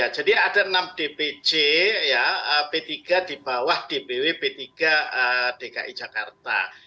jadi ada enam dp cp tiga di bawah dp cp tiga dki jakarta